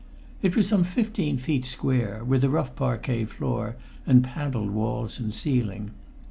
It was some fifteen feet square, with a rough parquet floor and panelled walls and ceiling.